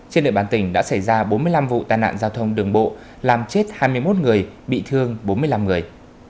trên địa bàn tỉnh đã xảy ra bốn mươi năm vụ tai nạn giao thông đường bộ làm chết hai mươi một người bị thương bốn mươi năm người